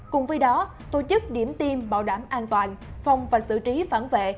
cùng với đó tổ chức điểm tiêm bảo đảm an toàn phòng và xử trí phản vệ